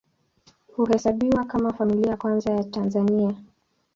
Huhesabiwa kama Familia ya Kwanza ya Tanzania.